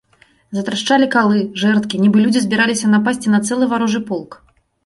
Затрашчалі калы, жэрдкі, нібы людзі збіраліся напасці на цэлы варожы полк.